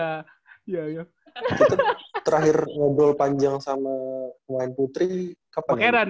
kita terakhir ngobrol panjang sama pemain putri kapan ya